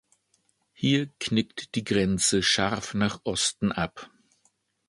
Hier knickt die Grenze scharf nach Osten ab.